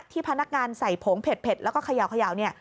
ที่พนักงานใส่ผงเผ็ดแล้วก็เขย่า